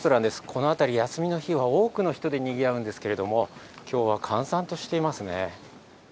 この辺り、休みの日には多くの人でにぎわうんですけれども、今日は閑散としていますね。